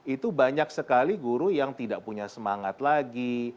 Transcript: itu banyak sekali guru yang tidak punya semangat lagi